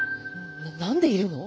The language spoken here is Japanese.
何でいるの？